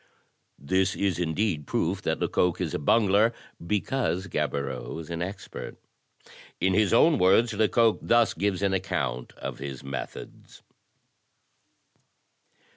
This is indeed proof that Lecoq is a bungler because Gaboriau is an expert. In his own words Lecoq thus gives an account of his methods.